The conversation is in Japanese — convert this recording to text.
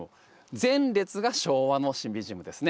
前列が昭和のシンビジウムですね。